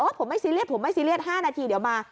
ผมไม่ซีเรียสผมไม่ซีเรียส๕นาทีเดี๋ยวมา